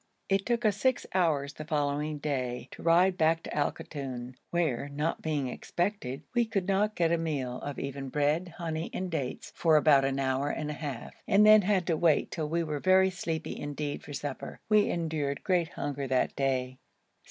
It took us six hours the following day to ride back to Al Koton, where, not being expected, we could not get a meal of even bread, honey, and dates for about an hour and a half, and then had to wait till we were very sleepy indeed for supper. We endured great hunger that day.